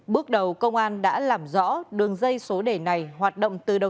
bước đầu công an đã làm rõ đường dây số đề này hoạt động từ đầu